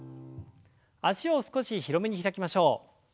脚を少し広めに開きましょう。